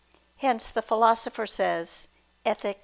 Hence the Philosopher says (Ethic.